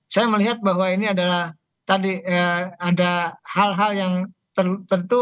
saya melihat bahwa ini adalah tadi ada hal hal yang tertentu